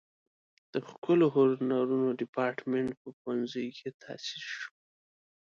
د ښکلو هنرونو دیپارتمنټ په پوهنځي کې تاسیس شو.